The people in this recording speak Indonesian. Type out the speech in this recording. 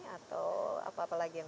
atau apa lagi yang